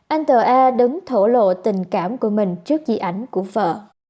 anh tờ a đứng thổ lộ tình cảm của mình trước di ảnh của vợ